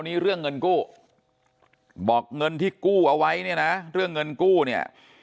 เรื่องเงินกู้บอกเงินที่กู้เอาไว้เนี่ยนะเรื่องเงินกู้เนี่ย